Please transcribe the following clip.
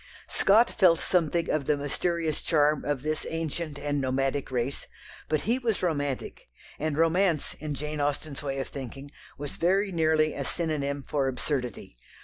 Scott felt something of the mysterious charm of this ancient and nomadic race, but he was romantic, and romance, in Jane Austen's way of thinking, was very nearly a synonym for absurdity.